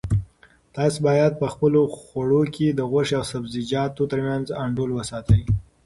تاسو باید په خپلو خوړو کې د غوښې او سبزیجاتو ترمنځ انډول وساتئ.